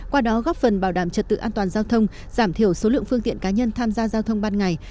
qua đó góp phần bảo đảm trật tự an toàn giao thông giảm thiểu số lượng phương tiện cá nhân tham gia giao thông ban ngày